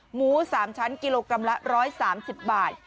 หมู๓ชั้นกิโลกรัมละ๑๓๐บาท